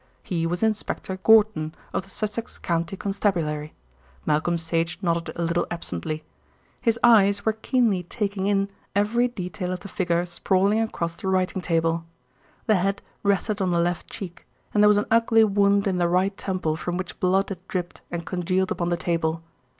He was Inspector Gorton of the Sussex County Constabulary. Malcolm Sage nodded a little absently. His eyes were keenly taking in every detail of the figure sprawling across the writing table. The head rested on the left cheek, and there was an ugly wound in the right temple from which blood had dripped and congealed upon the table.